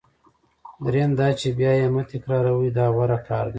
دریم دا چې بیا یې مه تکراروئ دا غوره کار دی.